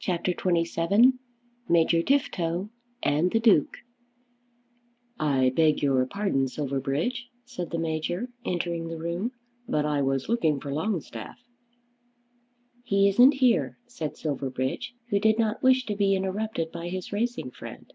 CHAPTER XXVII Major Tifto and the Duke "I beg your pardon, Silverbridge," said the Major, entering the room, "but I was looking for Longstaff." "He isn't here," said Silverbridge, who did not wish to be interrupted by his racing friend.